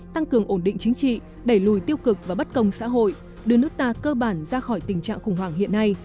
tăng cường ổn định chính trị đẩy lùi tiêu cực và bất công xã hội đưa nước ta cơ bản ra khỏi tình trạng khủng hoảng hiện nay